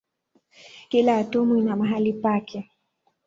Kila atomu ina mahali pake.